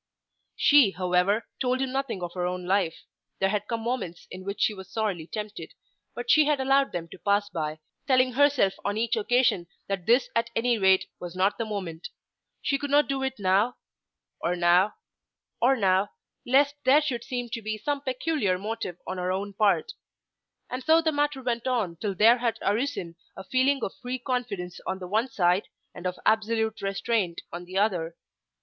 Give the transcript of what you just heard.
She, however, told him nothing of her own life. There had come moments in which she was sorely tempted. But she had allowed them to pass by, telling herself on each occasion that this at any rate was not the moment. She could not do it now, or now, or now, lest there should seem to be some peculiar motive on her own part. And so the matter went on till there had arisen a feeling of free confidence on the one side, and of absolute restraint on the other.